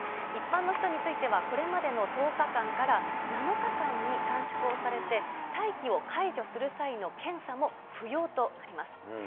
一般の人については、これまでの１０日間から７日間に短縮をされて、待機を解除する際の検査も不要となります。